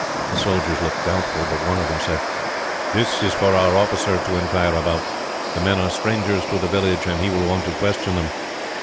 The soldiers looked doubtful, but one of them said: "This is for our officer to inquire about. The men are strangers to the village, and he will want to question them."